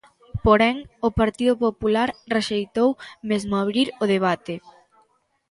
Porén, o Partido Popular rexeitou mesmo abrir o debate.